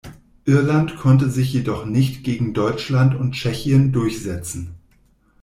Irland konnte sich jedoch nicht gegen Deutschland und Tschechien durchsetzen.